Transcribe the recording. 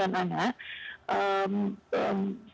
kalau ada keterbukaan antara orang tua dan anak